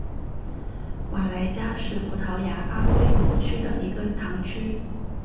瓦莱加是葡萄牙阿威罗区的一个堂区。